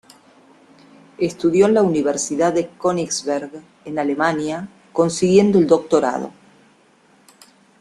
Estudió en la Universidad de Königsberg, en Alemania, consiguiendo el doctorado.